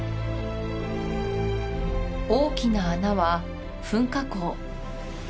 大きな穴は噴火口